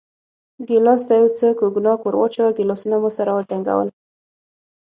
ګیلاس ته یو څه کوګناک ور واچوه، ګیلاسونه مو سره وجنګول.